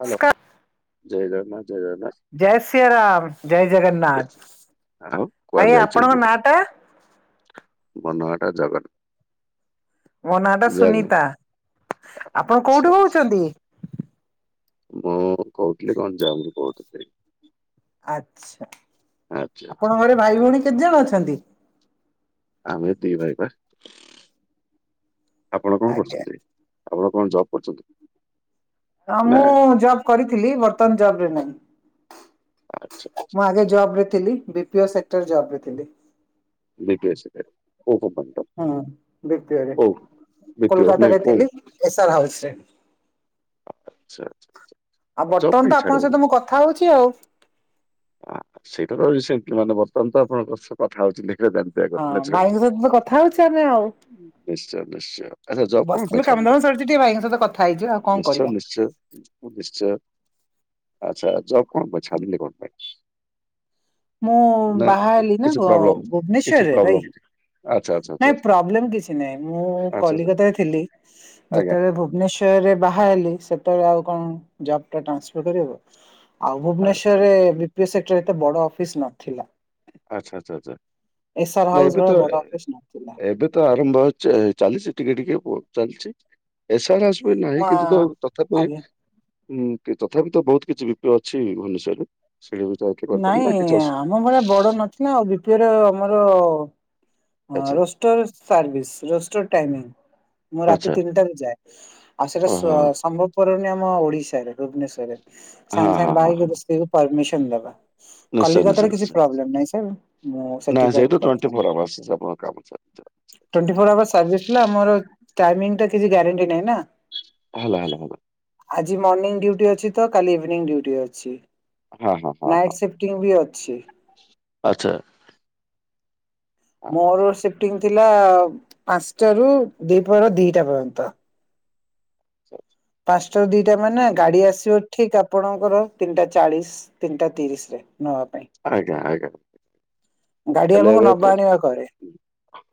Hello ନମସ୍କାର ଜୟ ଜଗନ୍ନାଥ। ଜୟ ଜଗନ୍ନାଥ ଜୟ ଶ୍ରୀରାମ ଜୟ ଜଗନ୍ନାଥ ଆଉ କୁଆଡେ ଭାଇ ଯାଇଛନ୍ତି? ଆପଣଙ୍କ ନାଁ ଟା? ମୋ ନାଁ ଟା ଜଗନ୍। ମୋ ନାଁ ଟା ଜଗନ୍ ସୁନିତା ଆପଣ ଆଚ୍ଛା କୋଉଠୁ ଆଚ୍ଛା। କହୁଛନ୍ତି? ମୁଁ କହୁଥିଲି ଗଞ୍ଜାମ ରୁ କହୁଥିଲି। ଆଛା ଆଚ୍ଛା ଆଚ୍ଛା ଆପଣ ଘରେ ଭାଇ ଭଉଣୀ କେତେଜଣ ଅଛନ୍ତି? ଆମେ ଦି ଭାଇ ବା ଆପଣ କଣ ଆଜ୍ଞା କରୁଛନ୍ତି? ଆପଣ କଣ ଜବ୍ କରିଛନ୍ତି? ହଁ ମୁଁ ଜବ କରିଥିଲି ବର୍ତ୍ତମାନ ଜବ ରେ ନାଇଁ। ଆଚ୍ଛା ଆଛା। ମୁଁ ଆଗେ ଜବ ରେ ଥିଲି ବି ପିଓ ସେକ୍ଟର ଜବ ରେ ଥିଲି। ବିବିଏସ ଏ କୋଉ କମ୍ପାନୀ ର? ହୁଁ ବିତିଆରେ କୋଉ ବିଟିଓ କୋଲକତା ନାଇଁ ରେ କୋଉ ଥିଲି ଏସ୍ଆର ହାଉସ ରେ। ଚ୍ଛା ଛା ଛା। ଆଉ ବର୍ତ୍ତମାନ ତ ଆପଣଙ୍କ ସହିତ ମୁଁ କଥା ହଉଛି ଆଉ। ସେଇଟା ତ ରିସେଣ୍ଟୀଲି ମାନେ ବର୍ତ୍ତମାନ ତ ଆପଣଙ୍କ ସହ କଥା ହଉଛି [unintelligible] ହଁ ନ୍ୟାଚୁରାଲି। ଭାଇଙ୍କ ସହିତ କଥା ହଉଛି ଆମେ ଆଉ। ନିଶ୍ଚୟ ନିଶ୍ଚୟ ଆଚ୍ଛା ଜବ କଣ ବସିଥିଲୁ ପାଇଁ କାମ ଦାମ ଛାଡିଲେ ସରିଛି ଟିକେ ଭାଇଙ୍କ ସହିତ କଥା ହେଇଛୁ ଆଉ କଣ ନିଶ୍ଚୟ କରିବା ନିଶ୍ଚୟ। ନିଶ୍ଚୟ ଆଚ୍ଛା ଜବ କଣ ଛାଡିଲେ କଣ ପାଇଁ। ମୁଁ ନା ବାହା ହେଲି ନା କିଛି ଭୁବନେଶ୍ୱରରେ ଭାଇ। ଆଛା ଆଛା। ନାଇଁ ପ୍ରୋବ୍ଲେମ କିଛି ନାଇଁ ମୁଁ ଆଚ୍ଛା କଲିକତାରେ ଥିଲି ଆଜ୍ଞା ଯେତେବେଳେ ଭୁବନେଶ୍ୱ ଯେତେବେଳେ ବାହା ହେଲି ସେତେବେଳେ ଆଉ କଣ ଜବ୍ ଟା ଟ୍ରାନ୍ସଫର୍ କରିହେବ? ଆଉ ଆଚ୍ଛା ଭୁବନେଶ୍ୱରରେ ବିପିଏ ସେକ୍ଟର ରେ ତ ବଡ ଅଫିସି ନଥିଲା। ଆଚ୍ଛା ଆଚ୍ଛା ଆଚ୍ଛା ଏସର ନାଁ ହାଉସ ଏବେ ଭଳିଆ ତ ବଡ ଅଫିସ ନଥିଲା ଏବେ ତ ଆରମ୍ଭ ହଉଛି। ଚାଲିଛି ଟିକେ ଟିକେ ଚାଲିଛି ଏସଆର୍ ହାଉସ ତ ନାହିଁ ମା କିନ୍ତୁ ତ ତଥାପି ଆଜ୍ଞା ହୁଁ ତଥାପି ତ ବହୁତ କିଛି ବିପିଓ ଅଛି ଭୁବନେଶ୍ୱରରେ। ସେଟ ବି ଯାଇକି କରିପାରନା କିଛି ଅସୁ ନା ବିପିର ମୋର ଆଚ୍ଛା ରୋଷ୍ଟର ସାର୍ଭିସ ରୋଷ୍ଟର ଟାଇମିଂ। ମୁଁ ରାତି ଆଚ୍ଛା ତିନିଟାରେ ଯାଏ ଆଉ ସେଇଟା ଓହୋ ସ ସମ୍ଭବ। କରୁନି ଆମ ଓଡିଶାରେ ଭୁବନେଶ୍ଵରରେ ହଁ ସାଙ୍ଗେ ସାଙ୍ଗେ ହଁ ହଁ ହଁ ବାହାହେଇକି ସ୍ତ୍ରୀ କୁ ପରମିସନ ଦବା। ନିଶ୍ଚୟ ନିଶ୍ଚୟ କଲିକତାରେ କିଛି ନିଶ୍ଚୟ। ପ୍ରୋବ୍ଲେମ ନାହିଁ ସେ ମୁଁ ନା ସେଠି ସେଇଠୁ ଟ୍ୱେଣ୍ଟି କରିପାରିଥାନ୍ତି। ଫୋର୍ ଆୱାର୍ସ କାମ ଚା। [unintelligible] ଟୋଣ୍ଟିଫୋର ଆୱାର ସର୍ଭିସ୍ ଥିଲା ଆମର ଟାଇମିଙ୍ଗ ଟା କିଛି ଗାରେଣ୍ଟି ନାଇଁ ନା। ହିଲ ହାଲ ହାଲ। ଆଜି ମର୍ଣ୍ଣିଂ ଡୁଟି ଅଛି ତ କାଲି ଇଭିନିଂ ଡୁଟି ଅଛି। ହଁ ହଁ ହଁ ହ ନାଇଟ ସିଫ୍ଟିଙ୍ଗ ବି ଅଛି ଆଛା। ମୋର ସିଫ୍ଟିଂ ଥିଲା ପାଞ୍ଚଟା ରୁ ଦିପହର ଦିଟା ପର୍ଯ୍ୟନ୍ତ। [inaudible] ପାଞ୍ଚଟା ଦିଟା ମାନେ ଗାଡି ଆସିବ ଠିକ୍ ଆ ଆପଣଙ୍କର ତିନିଟା ଚାଳିଶ ତିନିଟା ତିରିଶରେ ନେବା ପାଇଁ। ଆଜ୍ଞା ଆଜ୍ଞା ଗାଡି ହେଲେ ଆମକୁ ଏବେ ନବା କ ଆଣିବା କରେ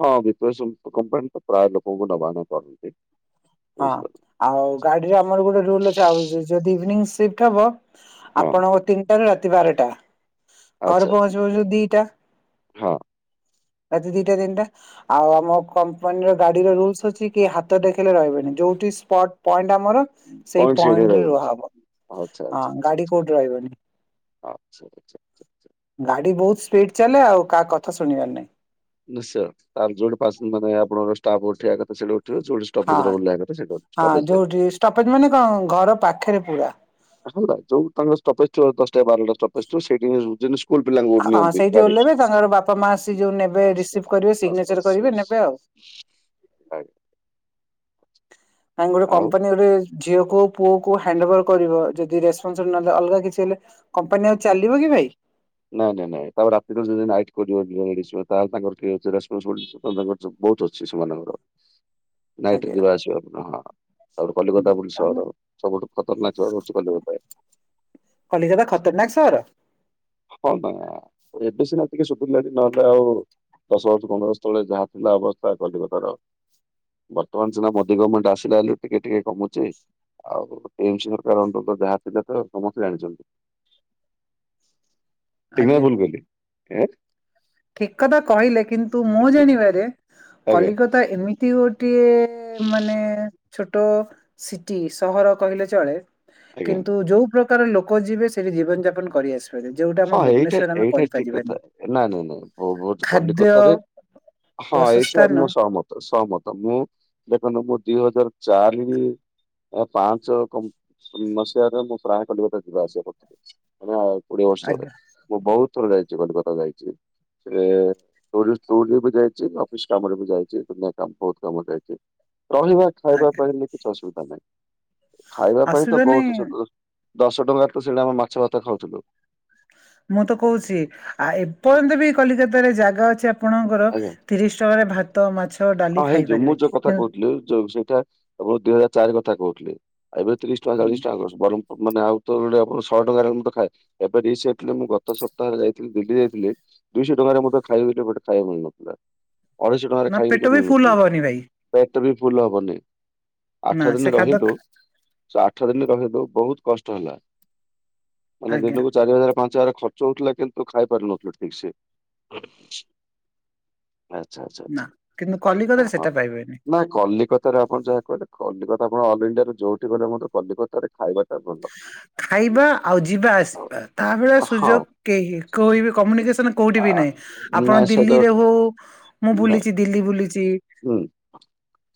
ହଁ ବିପସପ କମ୍ପାନୀ ତ ପ୍ରାୟ ଲୋକଙ୍କୁ ନବାକୁ କରନ୍ତି। ହଁ ବୁଝିପାରୁଛନ୍ତି। ଆଉ ଗାଡିରେ ଆମର ଗୋଟେ ରୁଲ ଅଛି ଆଉ ଯଦି ଇଭିନିଂ ସିଫ୍ଟ ହବ ହଁ ଆପଣଙ୍କ ତିନିଟାରୁ ରାତି ବାରଟା ଆଚ୍ଛା ଘରେ ପହଞ୍ଚୁ ପହଞ୍ଚୁ ଦିଟା। ହଁ। ଆଜି ଦିଇଟା ତିନିଟା। ଆଉ ଆମ କମ୍ପାନୀର ଗାଡିର ରୁଲସ ଅଛି କି ହାତ ଦେଖେଇଲେ ରହିବେନି ଯୋଉଠି ସ୍ପଟ୍ ପଏଣ୍ଟ ଆମର ସେଇ ପଏଣ୍ଟ ସେଇଠି ପଏଣ୍ଟରେ ରହିବ ରୁଆହବ ଆଚ୍ଛା ହଁ ଗାଡି କୋଉଠି ରହିବନି। ଆଛା ଆଛା ଆଛା। ଗାଡି ବହୁତ ସ୍ପିଡ ଚାଲେ ଆଉ କାହା କଥା ଶୁଣିବାର ନାହିଁ। ନିଶ୍ଚୟ ତାହେଲେ ଜଉଥି ଆପଣଙ୍କର ଷ୍ଟାଫ୍ ଉଠିବା କଥା ହଁ ଉଠିବା। ହଁ [unintelligible] ଯୋଉଠି ଷ୍ଟପେଜ ମାନେ କଣ ଘର ପାଖରେ ପୁରା। ହେଲା ଯୋଉ ତମର ଷ୍ଟପେଜ୍ ଥିବ ଦଶଟା ବାରଟା ଷ୍ଟପେଜ୍ ଥିବ ସେଇଠି ସ୍କୁଲ ପିଲାଙ୍କୁ ହଁ ନିଅନ୍ତି ସେଇଠି ଗାଡି। ଉଲ୍ହେଇବେ ତାଙ୍କର ବାପା ମା ଆସି ଯୋଉ ନେବେ ବାସ୍ ବାସ୍ ରିସିଭ୍ କରିବେ ବାସ୍ ବାସ୍ ସିଗ୍ନେଚର କରିବେ ବାସ୍। ନେବେ ଆଉ। ଆଜ୍ଞା। ନାଇଁ ଗୋଟେ ଆଉ କପାନୀରେ ଝିଅକୁ ହୋଇ ପୁଅକୁ ହୋଇ ହ୍ୟାଣ୍ଡଓଭର କରିବ ଯଦି ରେସପସ ନହେଲେ ଅଲଗା କିଛି ହେଲେ। କମ୍ପାନୀ ଆଉ ଚାଲିବ କି ଭାଇ? ନାଇଁ ନାଇଁ ନାଇଁ ତା ରାତିରେ ଯଦି ନାଇଟ୍ [unintelligible] ସବୁ ବୁଥ ଅଛି ସେମାନଙ୍କର। ନାଇଟ ରେ ଆଜ୍ଞା। ଯିବା ଆସିବା ଆପ ହଁ ତାପରେ କଲିକତା ବୋଲି ତାହେଲେ ସହର ସବୁଠୁ ଖତରନାକ ସହର ହଉଛି କଲିକତା। କଲିକତାଟା ଖତରନାକ ସହର? ହଁ ନା ଏବେ ସିନା ଟିକେ ଶୁଧୀରଲାଣି ନହେଲେ ଆଉ। ଦଶ ବର୍ଷ ପନ୍ଦର ବର୍ଷ ତଳେ ଯାହା ଥିଲା ଅବସ୍ଥା କଲିକତାର ବର୍ତ୍ତମାନ ସିନା ମୋଦି ଗଭର୍ଣ୍ମେଣ୍ଟ ଆସିଲା ହେଲେ ଟିକେ ଟିକେ କମୁଛି। ଆଉ ଏମ ସ ସରକାର ଅନ୍ତତ ଯାହା ଥିଲା ତ ସମସ୍ତେ ଜାଣିଛନ୍ତି। ଠିକ୍ ନା ଆଜ୍ଞା ଭୁଲ କହିଲି। ଠିକ କଥା କହିଲେ କିନ୍ତୁ ମୁଁ ଜାଣିବାରେ ଆଜ୍ଞା କଲିକତା ଏମି ଗୋଟିଏ ମାନେ ଛୋଟ ସିଟି ସହର କହିଲେ ଚଳେ। ଆଜ୍ଞା କିନ୍ତୁ ଯୋଉ ପ୍ରକାର ଲୋକ ଯିବେ ସେଠି ଜୀବନ ଯାପନ କରିଆସିବେ। ଯୋଉଟା ହଁ ଆମ ଏଇଟା ଭୁବନେଶ୍ୱର ଆମେ ଏଇଟା ଠିକ କଥା କରିପାରିବାନି। ନାଇଁ ନାଇଁ ନାଇଁ ଖାଦ୍ୟ କଲିକତାରେ ହଁ ଏଇସ ବାସସ୍ଥାନ ମୁଁ ସହମତ। ସହମତ ମୁଁ ଦେଖନ୍ତୁ ମୁଁ ଦି ହଜାର ଚାରି ଏ ପାଞ୍ଚ ମସିହାରେ ମୁଁ ପ୍ରାୟ କଲିକତା ଯିବା ଆସିବା କରୁଥିଲି। ଆ କୋଡ଼ିଏ ବର୍ଷ ତଳେ। ଆଜ୍ଞା। ମୁଁ ବହୁତ ଥର ଯାଇଛି କଲିକତା ଯାଇଛି। ସେଠି ଟୁରିଷ୍ଟ ତୁରରେ ବି ଯାଇଛି ଅଫିସ କାମରେ ବି ଯାଇଛି ଦୁନିଆ କାମ ବହୁତ କାମରେ ଯାଇଛି। ରହିବା ଖାଇବା ଆଜ୍ଞା ପାଇଁବି କିଛି ଅସୁବିଧା ନାହିଁ ଖାଇବା ପାଇଁ ତ ଅସୁବିଧା ନାହିଁ ବହୁତ ଦଶ ଟଙ୍କାରେ ତ ସେଇଟି ଆମେ ମାଛ ଭାତ ଖାଉଥିଲୁ। ମୁଁ ତ କହୁଛି ଆ ଏପର୍ଯ୍ୟନ୍ତ ବି କଲିକତାରେ ଜାଗା ଅଛି ଆପଣଙ୍କର ଆଜ୍ଞା ତିରିଶ ଟଙ୍କାରେ ଭାତ ମାଛ ଡାଲି ହଁ ହେଇଯ ମୁଁ ଖାଇପାରିବେ ଯୋଉ କଥା କହୁଥିଲି ଯୋଉ ସେଇଟା ଆଁ ଦିଇ ହଜାର ଚାର କହୁଥିଲି ଆଉ ଏବେ ତିରିଶ ଟଙ୍କା ଚାଳିଶ ଟଙ୍କା କର ବରଂ ମାନେ ଆଉ ତ ଯୋ ଆପଣ ଶହେ ଟଙ୍କାରେ ମୁ ତ ଖାଏ। ଏବେ ରିସେଣ୍ଟଲି ମୁଁ ଗତ ସପ୍ତାହରେ ଯାଇଥିଲି ଦିଲ୍ଲୀ ଯାଇଥିଲି। ଦୁଇଶହ ଟଙ୍କାରେ ମତେ ଖାଇବି ବୋଲି ଗୋଟେ ଖାଇବାକୁ ମିଳୁନଥିଲା ଅଢେଇଶହ ଟଙ୍କାରେ ନା ପେଟ ଖାଇବି ବୋଲି ବି ଫୁଲ ହବନି ଭାଇ। ପେଟ୍ ବି ଫୁଲ୍ ହବନି ନା ଆଠ ସେ ଦିନି ଖାଦ୍ୟ ରହିଲୁ। ସେ ଆଠ ଦିନ ରହିଲୁ ବହୁତ କଷ୍ଟ ହେଲା ମାନେ ଆଜ୍ଞା ଦିନକୁ ଚାରି ହଜାର ପାଞ୍ଚ ହଜାର ଖ ର୍ଚ୍ଚ ହଉଥିଲା କିନ୍ତୁ ଖାଇପାରୁ ନଥିଲୁ ଠିକ୍ ସେଆଛା ଆଛା ଆଛା। ନା କିନ୍ତୁ କଲିକତାରେ ସେଟା ପାଇବେନି। କଲିକତାରେ ଆପଣ ଯାହା କହିଲେ କଲିକତା ଆପଣ ଅଲ ଇଣ୍ଡିଆର ଯୋଉଠି ଗଲେ ମଧ୍ୟ କଲିକତାରେ ଖାଇବାଟା ଭଲ। ଖାଇବା ଆଉ ଯିବା ଆସି ତା ଭଳିଆ ସୁଯୋଗ ହଁ କେହି କୋଇ ବି କମ୍ୟୁନିକସନ କୋଉଠି ବି ନାହିଁ। ଆପଣ ନାଇଁ ସେଇଟା ଦିଲ୍ଲୀରେ ହଉ ମୁଁ ନାଇଁ ବୁଲିଛି ଦିଲ୍ଲୀ ବୁଲିଛି। ହୁଁ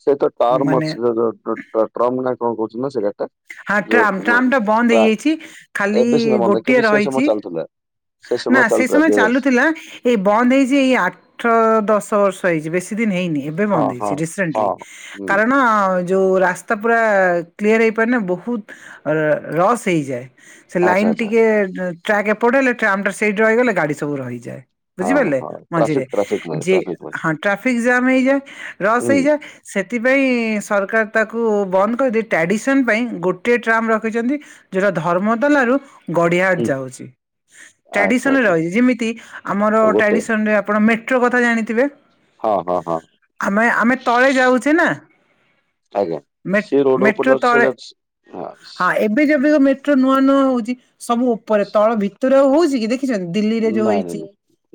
ସେ ତ ଟର୍ମ ମାନେ ଅଛି [unintelligible] ଟ୍ରମ ନା କଣ କହୁଛନ୍ତି ନା ସେ ଗାଡ଼ି ଟା। ହଁ ଟ୍ରାମ, ଟ୍ରାମ ଟା ବନ୍ଦ ହେଇଯାଇଛି ଖାଲି ଏବେ ସିନା ବନ୍ଦ କିନ୍ତୁ ଗୋଟିଏ ସେ ସମୟ ରହିଛି। ଚାଲୁଥିଲା ନା ସମୟ ସେ ଚାଲୁଥିଲା ସମୟେ ଦୁଇ ହଜାର ଚାଲୁଥିଲା ଏଇ ବନ୍ଦ ହେଇଛି ଏଇ ଆଠ ଦଶ ବର୍ଷ ହେଇଛି ବେଶୀ ଦିନ ହେଇନି। ଏବେ ହଁ ବନ୍ଦ ହଁ ହେଇଛି ରିସେଣ୍ଟଲି ହଁ ହୁଁ କାରଣ ଯୋଉ ରାସ୍ତା ପୁରା କ୍ଲିଅର ହେଇପାରେନା ବହୁତ ଅଁର୍ ରସ୍ ହେଇଯାଏ। ସେ ଆଚ୍ଛା ଲାଇନ ଆଚ୍ଛା ଟିକେ ଟ୍ରାକ୍ ଏପଟେ ହେଲେ ଟ୍ରାମ୍ ଟା ସେଇଠି ରହିଗଲେ ଗାଡି ସବୁ ରହିଯାଏ। ହଁ ହଁ ବୁଝିପାରିଲେ ହଁ ମଝିରେ ଟ୍ରାଫିକ ଟ୍ରାଫିକ ମ ଯେ ଟ୍ରାଫିକ ମ ହଁ ଟ୍ରାଫିକ ଜାମ୍ ହେଇଯାଏ ରସ୍‌ ହୁଁ ହେଇଯାଏ। ସେଥିପାଇଁ ସରକାର ତାକୁ ବନ୍ଦ କରିଦେଇ ଟ୍ରାଡ଼ିସନ୍ ପାଇଁ ଗୋଟିଏ ଟ୍ରାମ୍ ରଖିଛନ୍ତି। ଯୋଉଟା ଧର୍ମ ତଲା ରୁ ଗଡିହାଟ ହୁଁ ଯାଉଛି, ଆଚ୍ଛା ଟ୍ରାଡିସନ ଆଚ୍ଛା ରହିଛି ଯିମିତି ଆମର ଗୋଟେ ଟ୍ରାଡିସନ ରେ ଆପଣ ମେଟ୍ରୋ କଥା ଜାଣିିଥିବେ? ହଁ ହଁ ହଁ ଆମେ ଆମେ ତଳେ ଯାଉଚେ ନା? ଆଜ୍ଞା ମେଟ୍ ସେ ରୋଡ ଉପରେ ମେଟ୍ରୋ ଅଛି ତଳେ ସେଇଟା ହଁ ଏବେ ଯେବେ ମେ ଟ୍ରୋ ନୂଆ ନୂଆ ହଉଛି ସବୁ ଉପରେ ସ- ତଳ ଭିତରେ ଆଉ ହଉଛି କି? ଦେଖିଛନ୍ତି ଦିଲ୍ଲୀରେ ଯୋଉ ନାଇଁ ନାଇଁ ହେଇଛି। ନାଇଁ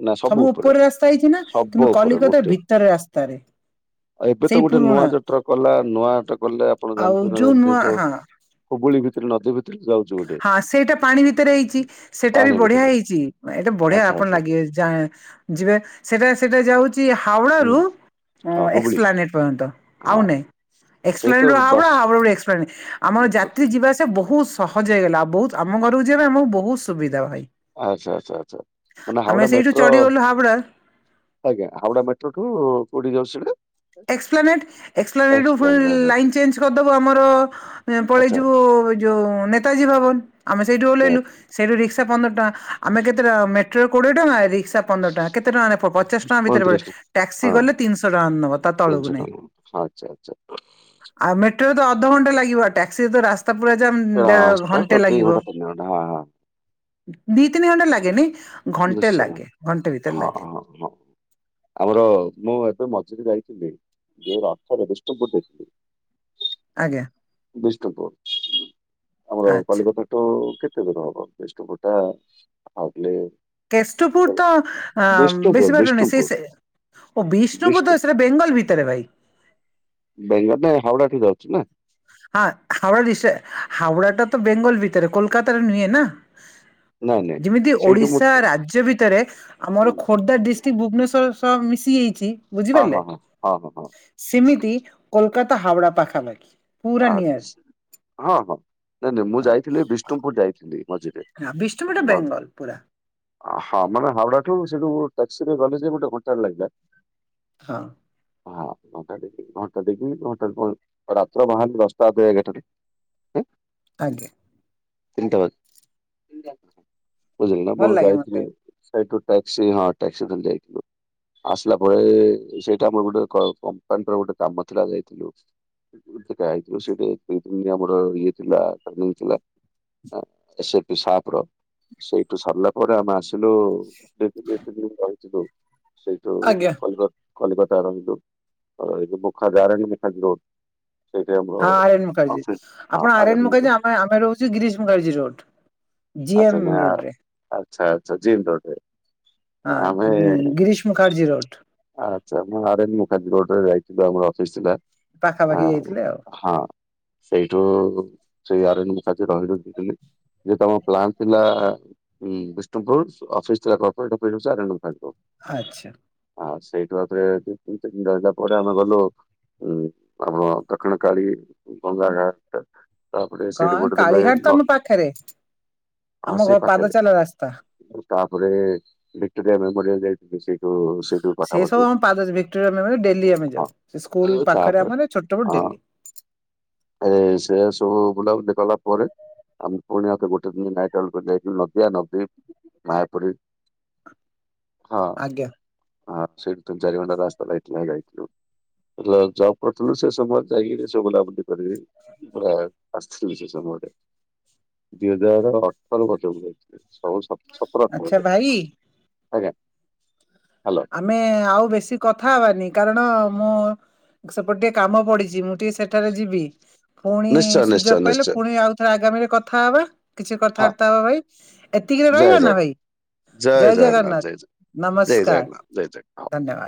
ନା ସବୁ ଉପରେ ଉପର ରାସ୍ତା ହେଇଛି ନା ସବୁ କିନ୍ତୁ ଉପରେ କଲିକତା ଗୋଟେ ଭିତର ରାସ୍ତାରେ ଏବେ ତ ସେଇ ଗୋଟେ ନୂଆ ପୁରୁଣା ଯୋଉ ଟ୍ରକ ବାଲା ନୂଆ ଟ୍ରକ ବାଲା ଆପଣ ଆଉ ଜାଣିଥିବେ ନା ନୂଆ ଜାଣିଥିବେ ଯୋଉ ହଁ ହୁଗୁଳି ଭିତରେ ନଦୀ ଭି ହଁ ସେଇଟା ପାଣି ଭିତରେ ହେଇଚି, ସେଇଟା ବି ପାହାଣ ବଢିଆ ଭିତରେ ହେଇଛି। ନା ଏଇଟା ବଢିଆ ଆଚ୍ଛା ଆପଣ ଆଚ୍ଛା ଲାଗିବେ ଯାଏଁ ଯିବେ ସେଟା ସେଟା ଯାଉ ଛି ହାୱଡା ହୁଁ ରୁ ଉଁ ହଁ ହୁଗୁଳି ଏକ୍ସପ୍ଲାନେଟ ପର୍ଯନ୍ତ ଆଉ ହଁ ନାଇଁ। ସେଇ ଏକ୍ସପ୍ଲାନେଟ୍ ତ ରୁ ହାୱଡା, ଦଶ ହାଉଡା ରୁ ଏକ୍ସପ୍ଲାନେ ଆମର ଦ- ଯାତ୍ରୀ ଯିବା ଆସିବା ବ ବହୁତ ସହଜ ହେଇଗଲା, ବହୁତ ଆମ ଘରକୁ ଯିବା ପାଇଁ ଆମକୁ ବହୁତ ସୁବିଧା ଭାଇ। ଆଚ୍ଛା ଆଚ୍ଛା ଆଚ୍ଛା ମାନେ ଆମେ ହାୱଡା ସେଇଠୁ ମେଟ୍ରୋ ଚଢିଗଲୁ ହାବଡ଼ା ଆଜ୍ଞା ହାଉଡା ମେଟ୍ରୋଠୁ କୋଉଠିକି [unintelligible] ଏକ୍ସପ୍ଲାନେଟ୍ ଏକ୍ସପ୍ଲାନେଟ୍ ରୁ ଫୁଣି ଲାଇନ୍ ଚେଞ୍ଜ କରିଦେବ ଆମର ହେଁ ପଳେଇ ଆଚ୍ଛା ଯିବୁ ଏ ଯୋଉ ନେତାଜୀ ଭବନ ଆମେ ସେଇଠି ଓହ୍ଲେଇଲୁ। ନିହାତି ସେଇଠୁ ରିକ୍ସା ପନ୍ଦର ଟଙ୍କା ଆମେ କେତେଟଙ୍କା ମେଟ୍ରୋରେ କୋଡ଼ିଏ ଟଙ୍କା ରିକ୍ସା ପନ୍ଦର ଟଙ୍କା କେତେ ଟଙ୍କା ରେ ପ ପଚାଶ ଟଙ୍କା ଭିତରେ ବୋଧେ ପଇଁତିରିଶ ଟଙ୍କା ଟ୍ୟାକ୍ସି ହଁ କଲେ ତିନିଶହ ଟଙ୍କା ନବ। ତିନିଶହ ଟଙ୍କା ନବ ଆଛା ଆଛା। ଆଉ ମେଟ୍ରୋରେ ତ ଅଧଘଣ୍ଟେ ଲାଗିବ ଟ୍ୟାକ୍ସିରେ ତ ରାସ୍ ସ୍ତା ପୁରା ଜାମ୍ ଦେ ରାସ୍ତା ତ ଘଣ୍ଟେ ଦୁଇ ଲାଗିବ। ଘଣ୍ଟା ତିନି ଘଣ୍ଟା ହଁ ହଁ ଦି ତିନି ଘଣ୍ଟା ଲାଗେନି, ଘଣ୍ଟେ ନିଶ୍ଚୟ ଲାଗେ ଘଣ୍ଟେ ଭିତରେ ହଁ ଲାଗେ। ହଁ ହଁ। ଆମର ମୁଁ ଏବେ ମଝିରେ ଯାଇଥିଲି ଯେ ରଥରେ ବିଷ୍ଣୁପୁର୍ କୁ। ଆଜ୍ଞା। ବିଷ୍ଣୁପୁର୍ ଆମର ଆଚ୍ଛା କଲିକତା ରୁ କେତେ ଦୂର ହବ? କେଷ୍ଣୁପୁର ଟା [unintelligible] କେଷ୍ଟୁପୁର ତ ଅ ବିଷ୍ଣୁପୁର ବେଶୀ ବାଟନାଇ ସେଇ ବିଷ୍ଣୁପୁର ସେ ଓ ବିଷ୍ଣୁପୁର୍ ତ ବିଷ୍ଣୁ ସେଟା ବେଙ୍ଗଲ ଭିତରେ ଭାଇ। ବେଙ୍ଗଲ ନା ହାଉଡା ଠି ଯାଉଛି ନା। ହାଁ ହାୱଡା ଦିଷ୍ଟ୍ ଟା ହାଉଡ଼ା ଟା ତ ବେଙ୍ଗଲ ଭିତରେ କୋଲକାତାରେ ନୁହେଁ ନା? ନାଇଁ ନାଇଁ ଯେମିତି ସେଇଠୁ ମୁଁ ଓଡିଶା ରାଜ୍ୟ ଭିତରେ ଆମର ହୁଁ, ଖୋର୍ଦ୍ଧା ଦିସ୍ ତି ଭୁବନେଶ୍ଵର ସହ ମିଶିଯାଇଛି ହଁ ବୁଝିପାରିଲେ ହଁ ହଁ ହଁ ହଁ ହଁ ସିମିତି କୋଲକାତା ହାୱଡା ପାଖାପାଖି। ପୁରା ନିୟର ଆଚ୍ଛା ହଁ ହଁ ନାଇଁ ନାଇଁ ମୁଁ ଯାଇଥିଲି ବିଷ୍ଣୁପୁର ଯାଇଥିଲି ମଝିରେ। ହଁ ବିଷ୍ଣୁପୁର୍ ଟା ମ- ବେଙ୍ଗଲ ପୁରା। ହଁ ମାନେ ହାଓଡ଼ା ଠୁ ସେଠୁ ଟାକ୍ସିରେ ଗଲି ଯେ ଗୋଟେ ଘଣ୍ଟା ଟେ ଲାଗିଲା। ହଁ। ହଁ ଘଣ୍ଟା [unintelligible] ମୁଁ ତ ବାହାରିଲି ଦଶ ଟା [unintelligible] ଏଗାର ଟାରେ ଉଁ ଆଜ୍ଞା। ତିନିଟା ବା ବୁଝିଲେ ନା ଭଲ ଆପଣ ଲାଗେ ମତେ [unintelligible] ସେଇଠୁ ଟ୍ୟାକ୍ସି ହଁ ଟ୍ୟାକ୍ସି ଧରି ଯାଇଥିଲୁ। ଆସିଲା ପରେ ସେଇଟି ଆମର ଗୋଟେ କ କମ୍ପାନୀର ଗୋଟେ କାମ ଥିଲା ଯାଇଥିଲୁ। [unintelligible] ଯାଇଥିଲୁ ସେଟି [unintelligible] ଆମର ଇଏ ଥିଲା [unintelligible] ଇଏ ଥିଲା। ହଁ [unintelligible] ସାପ୍ ର ସେଇଠୁ ସାରିଲା ପରେ ଆମେ ଆସ ଆସିଲୁ [unintelligible] ସେଇଠୁ ଆଜ୍ଞା। [unintelligible] କଲିକତାର ଯୋଉ ଅ ଏଇ ଯୋଉ ମୁଖା [unintelligible] ଯୋଉ ହଁ ଆରିୟାନ ମୁଖାର୍ଜୀ ହଁ ଆପଣ ଆରିୟାନ ଆରେଣ୍ଡ ମୁଖାର୍ଜୀ ଆମେ ଆମେ ରହୁଚୁ ଗିରିଶ୍ ମୁଖାର୍ଜୀ ରୋଡ଼। ଆଚ୍ଛା ନା ଆଚ୍ଛା ଆଚ୍ଛା ଜିନ୍ ରୋଡ଼ ରେ। ହଁ ଗି ଗିରୀଶ୍ ମୁଖାର୍ଜୀ ରୋଡ଼। ଆଚ୍ଛା ମୁଁ ଆରେନ୍ ମୁଖାର୍ଜୀ ରୋଡ଼ ରେ ଯାଇଥିଲୁ ଆମର ଅଫିସ ଥିଲା। ହଁ ପାଖାପାଖି ଯାଇଥିଲେ ଆଉ। ହଁ ସେଇଠୁ ସେ ଆରେନ୍ ମୁଖାର୍ଜୀ ରହି ରଖିଥିଲି ଯେ ତମ ପ୍ଲାନ୍ ଥିଲା ଉଁ ବିଷ୍ଣୁପୁର୍ ଅଫିସ ଥିଲା corporate office RN Mukherjee road. ଆଚ୍ଛା। ହଁ ସେଇଠୁ ଆଉ ଥରେ ଦି ତିନି ଦିନି ରହିଲା ପରେ ଆମେ ଗଲୁ ଉଁ ଆମ ଦକ୍ଷିଣ କାଳି ଗଙ୍ଗା ଘାଟ୍ କଣ କାଳିଘାଟ୍ ତ ଆମ ପାଖରେ। ହଁ ଆମ ସେଇ ଘ ପାଦ ପାଖରେ ଚାଲା ରାସ୍ତା। ତାପରେ ଭିକ୍ଟୋରିଆ ମେମୋରିଆଲ୍ ଯାଇଥିଲି ସେଇଠୁ ସେ ସେ ସବୁ ଆମ ପାଦ ଭିକ୍ଟୋରିଆ ମେମୋରିଆଲ୍ ଡେଲି ଆମେ ଯାଉ ହଁ ସ୍କୁଲ୍ ପାଖରେ ଆମର ଛୋଟ [unintelligible] ଡେଲି ଆରେ ସେ ସବୁ ବୁଲାବୁଲି କଲା ପରେ ଆମ ପୁଣି ଆଉ ଥରେ ଗୋଟେ ଦିନ ନାଇଟ୍ ହଲ୍ କରିକି ଯାଇଥିଲୁ ନଦିଆ ନଦୀ ମାୟାପୁରୀ। ହଁ। ଆଜ୍ଞା। ହଁ ସେଠୁ ଚାରି ଘଣ୍ଟା ରାସ୍ତା ଲାଗିଥିଲା ଯାଇଥିଲୁ। ଯେତେବେଳେ ଜବ୍ କରିଥିଲୁ ସେ ସମୟ ଯାଇକିରି ସେ ବୁଲାବୁଲି କରି ପୁରା ଆସିଥିଲି ସେ ସମୟରେ ଦି ହଜାର ଅଠର ପଛକୁ ଯାଇଥିଲି। ସବୁ ସ ସତର ଅଠର ଆଚ୍ଛା ପରେ ଭାଇ ଆଜ୍ଞା। ହାଲୋ। ଆମେ ଆଉ ବେଶୀ କଥା ହବାନି କାରଣ ମୁଁ ସେପଟେ ଟିକେ କାମ ପଡ଼ିଚି ମୁଁ ଟିକେ ସେଠାରେ ଯିବି। ପୁଣି ନିଶ୍ଚୟ ସୁଯୋଗ ନିଶ୍ଚୟ ପାଇଲେ ନିଶ୍ଚୟ ପୁଣି ଆଉଥରେ ଆଗାମୀରେ କଥା ହବା କିଛି ହଁ କଥାବାର୍ତ୍ତା ହବା ଭାଇ। ଏତିକିରେ ଜୟ ରହିବା ନା ଜଗନ୍ନାଥ ଭାଇ ଜୟ ଜଗନ୍ନାଥ ଜୟ ନମସ୍କାର। ଜଗନ୍ନାଥ ଜୟ ଜଗନ୍ନାଥ। ଧନ୍ୟବାଦ।